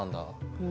うん。